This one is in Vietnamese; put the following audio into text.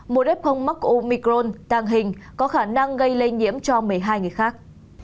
một ép không mắc omicron tàng hình có khả năng gây lây nhiễm cho một mươi hai người khác